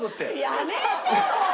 やめてよ！